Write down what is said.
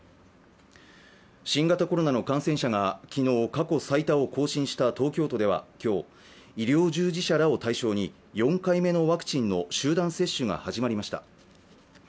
新型コロナの感染者が昨日、過去最多を更新した東京都では今日、医療従事者らを対象に４回目のワクチンの集団接種が始まりました。